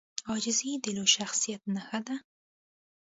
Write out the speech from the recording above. عاجزي د لوی شخصیت نښه ده.